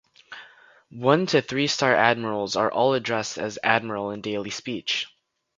One to three star admirals are all addressed as "admiral" in daily speech.